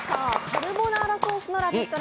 カルボナーラソースのラヴィット！